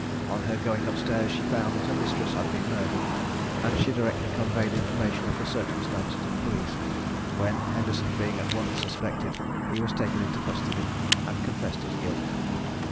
On her going up stairs she found that her mistress had been murdered, and she directly conveyed information of the circumstance to the police, when Henderson being at once suspected, he was taken into custody, and confessed his guilt.